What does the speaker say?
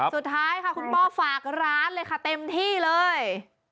สุดท้ายค่ะคุณป้าฝากร้านเลยค่ะเต็มที่เลย